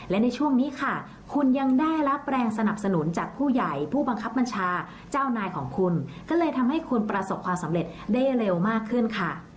และในช่วงนี้ค่ะคุณยังได้รับแรงสนับสนุนจากผู้ใหญ่ผู้บังคับบัญชาเจ้านายของคุณก็เลยทำให้คุณประสบความสำเร็จได้เร็วมากขึ้นค่ะ